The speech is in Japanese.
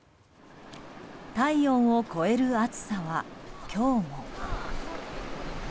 体温を超える暑さは、今日も。